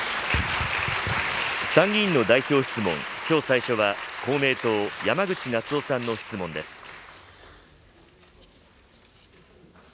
参議院の代表質問、きょう最初は、公明党、山口那津男さんの質問です。